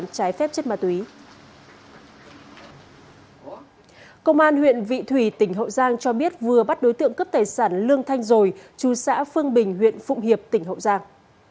công an huyện vị thủy tỉnh hậu giang cho biết vừa bắt đối tượng cướp tài sản lương thanh rồi chú xã phương bình huyện phụng hiệp tỉnh hậu giang